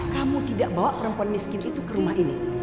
kamu tidak bawa perempuan miskin itu ke rumah ini